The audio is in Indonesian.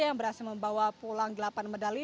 yang berhasil membawa pulang delapan medali